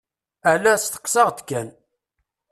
Ala steqsaɣ-d kan.